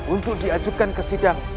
untuk diajukan ke sidang